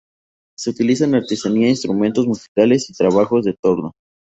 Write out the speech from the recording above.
Se utiliza en artesanía, instrumentos musicales y en trabajos de torno.